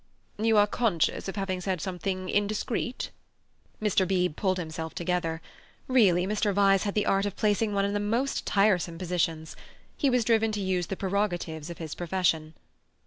"You are conscious of having said something indiscreet?" Mr. Beebe pulled himself together. Really, Mr. Vyse had the art of placing one in the most tiresome positions. He was driven to use the prerogatives of his profession.